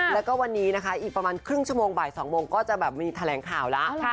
แล้วก็วันนี้นะคะอีกประมาณครึ่งชั่วโมงบ่าย๒โมงก็จะแบบมีแถลงข่าวแล้ว